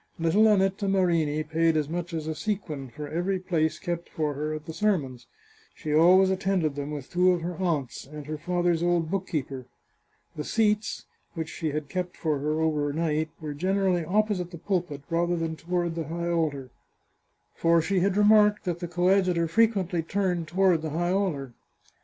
Little Annetta Marini paid as much as a sequin for every place kept for her at the sermons. She always attended them 523 The Chartreuse of Parma with two of her aunts, and her father's old bookkeeper. The seats, which she had kept for her overnight, were generally opposite the pulpit, rather toward the high altar, for she had remarked that the coadjutor frequently turned toward the high altar.